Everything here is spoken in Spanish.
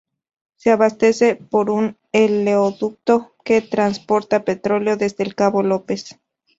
Se abastece por un oleoducto que transporta petróleo desde el cabo López.